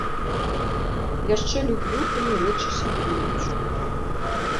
Яшчэ люблю, калі рэчы сябруюць.